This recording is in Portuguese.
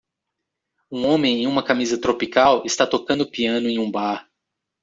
Um homem em uma camisa tropical está tocando piano em um bar.